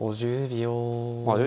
５０秒。